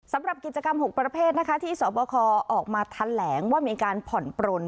สำหรับกิจกรรม๖ประเภทนะคะที่สวบคออกมาทันแหลงว่ามีการผ่อนปลน